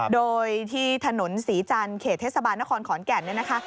โดยที่ถนนศรีจันทร์เขตเทศบาลนครขอนแก่นเนี่ยนะคะ